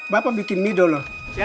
bapak bikin mie dulu